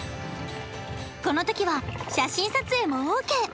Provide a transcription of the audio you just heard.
この時は写真撮影もＯＫ